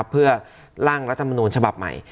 เพื่อร่างรัฐมนูญฉบับใหม่